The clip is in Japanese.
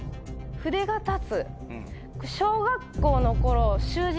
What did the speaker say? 筆が立つ。